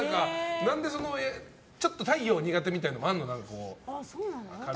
ちょっと太陽が苦手みたいなのはあるの？